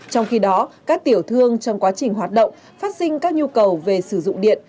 trong khi đó các tiểu thương trong quá trình hoạt động phát sinh các nhu cầu về sử dụng điện